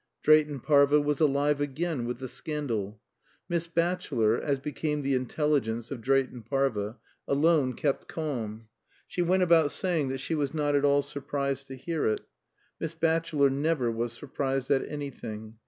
Drayton Parva was alive again with the scandal. Miss Batchelor, as became the intelligence of Drayton Parva, alone kept calm. She went about saying that she was not at all surprised to hear it. Miss Batchelor never was surprised at anything.